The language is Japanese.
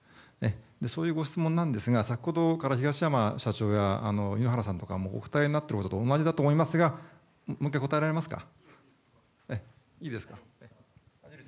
そういうご質問なんですが先ほどから東山社長や井ノ原さんとかもお答えになっていることと同じことだと思いますがもう１回、答えられますか。